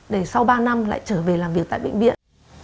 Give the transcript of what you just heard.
để sau ba năm lại trở về làm việc tại bệnh viện